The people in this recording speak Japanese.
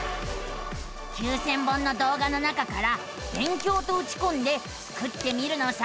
９，０００本の動画の中から「勉強」とうちこんでスクってみるのさあ。